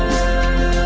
khi đất nước chảy xuống